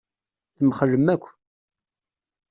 Temxellem akk.